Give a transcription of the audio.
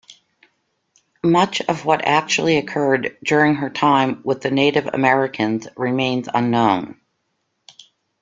Much of what actually occurred during her time with the Native Americans remains unknown.